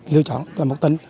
dựa chọn là một tỉnh